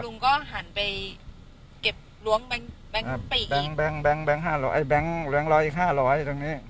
ลุงก็หันไปเก็บล้วงแบงค์แบงค์แบงค์แบงค์แบงค์ห้าร้อยแบงค์แบงค์ร้อยอีกห้าร้อยตรงนี้